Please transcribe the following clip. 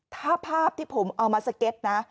ถ้าภาพที่ผมเอามาสเก็ตนะ